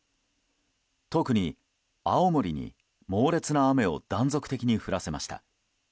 特に、青森に猛烈な雨を断続的に降らせました。